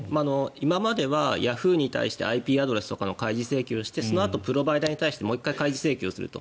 今まではヤフーに対してＩＰアドレスとかの開示請求してそのあとプロバイダーに対してもう１回、開示請求すると。